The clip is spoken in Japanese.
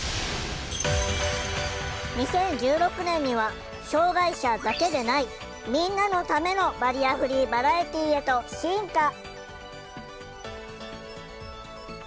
２０１６年には障害者だけでない「みんなのためのバリアフリーバラエティー」へと進化。